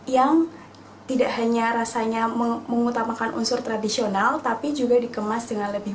yang tidak hanya rasanya mengutamakan unsur tradisional tapi juga dikemas dengan lebih